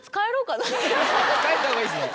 帰ったほうがいいですね。